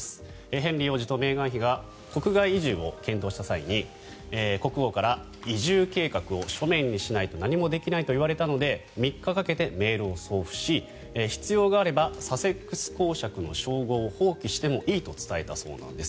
ヘンリー王子とメーガン妃が国外移住を検討した際に国王から移住計画を書面にしないと何もできないといわれたので３日かけてメールを送付し必要があればサセックス公爵の称号を放棄してもいいと伝えたそうです。